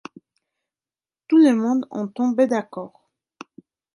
Tout le monde en tombait d’accord.